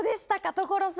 所さん。